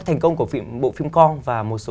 thành công của bộ phim con và một số